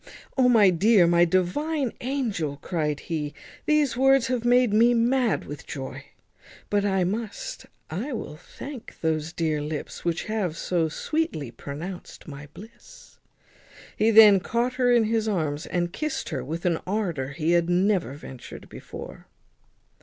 "O! my dear, my divine angel," cried he, "these words have made me mad with joy. But I must, I will thank those dear lips which have so sweetly pronounced my bliss." He then caught her in his arms, and kissed her with an ardour he had never ventured before.